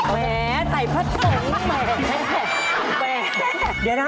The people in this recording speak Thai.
แหวนสายผักส่องเมละ